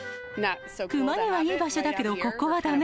熊にはいい場所だけど、ここはだめ。